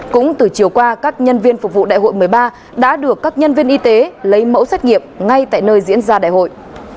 cũng từ chiều qua các nhân viên phục vụ đại hội một mươi ba đã được các nhân viên y tế lấy mẫu xét nghiệm ngay tại nơi diễn ra đại hội